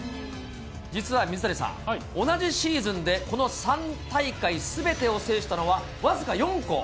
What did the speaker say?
実は水谷さん、同じシーズンでこの３大会すべてを制したのは、僅か４校。